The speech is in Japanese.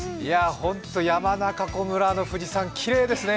本当に山中湖村の富士山、きれいですね！